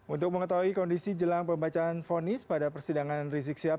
untuk mengetahui kondisi jelang pembacaan fonis pada persidangan rizik sihab